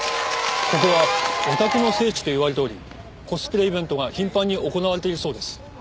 ここはオタクの聖地と言われておりコスプレイベントが頻繁に行われているそうです。